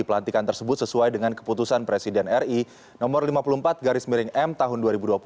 pelantikan tersebut sesuai dengan keputusan presiden ri no lima puluh empat garis miring m tahun dua ribu dua puluh